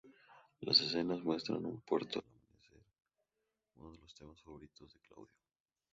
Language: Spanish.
La escena muestra un puerto al amanecer, uno de los temas favoritos de Claudio.